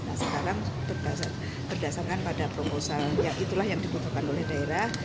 nah sekarang berdasarkan pada proposal ya itulah yang dibutuhkan oleh daerah